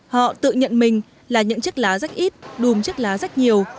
họ tự nhận mình là những chiếc lá rách ít đùm chiếc lá rách nhiều